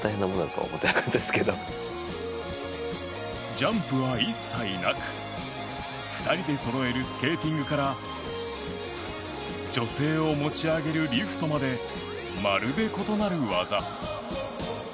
ジャンプは一切なく２人でそろえるスケーティングから女性を持ち上げるリフトまでまるで異なる技。